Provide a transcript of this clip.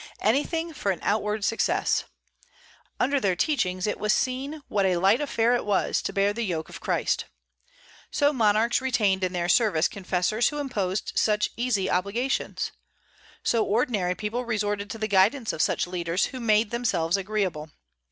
Anything for an outward success. Under their teachings it was seen what a light affair it was to bear the yoke of Christ. So monarchs retained in their service confessors who imposed such easy obligations. So ordinary people resorted to the guidance of such leaders, who made themselves agreeable.